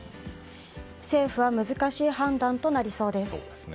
政府は難しい判断となりそうです。